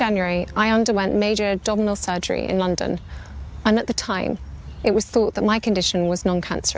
putri wells bernama lengkap catherine elizabeth middleton itu mengaku sempat terkejut dengan diagnosis dokter